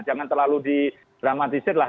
jangan terlalu di dramatisirlah